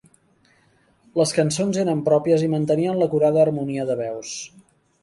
Les cançons eren pròpies i mantenien l'acurada harmonia de veus.